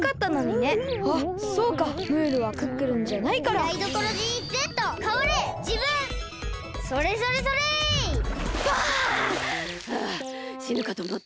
ああしぬかとおもった。